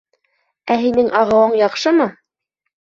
Ә һинең ағыуың яҡшымы?